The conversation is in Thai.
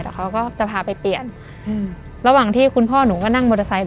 แต่เขาก็จะพาไปเปลี่ยนระหว่างที่คุณพ่อหนูก็นั่งมอเตอร์ไซค์